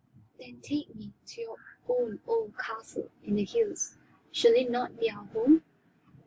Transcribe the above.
"Then take me to your own old castle in the hills. Shall it not be our home?"